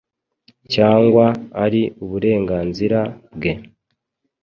cyangwa ari uburenganzira bwe.